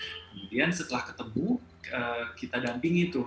kemudian setelah ketemu kita dampingi tuh